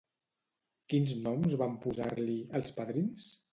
Quins noms van posar-li, els padrins?